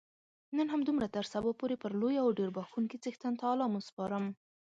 نن همدومره تر سبا پورې پر لوی او ډېر بخښونکي څښتن تعالا مو سپارم.